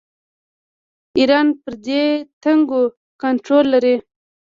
ایران پر دې تنګي کنټرول لري.